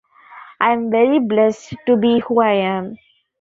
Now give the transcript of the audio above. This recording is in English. I am very blessed to be who I am.